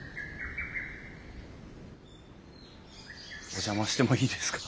お邪魔してもいいですか？